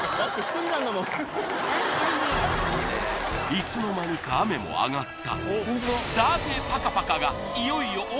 いつの間にか雨も上がった